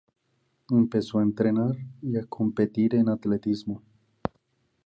Empezó a entrenar y a competir en atletismo.